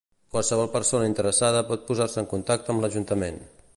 Qualsevol persona interessada pot posar-se en contacte amb l'Ajuntament.